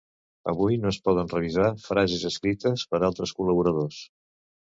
Avui no es poden revisar frases escrites per altres col·laboradors.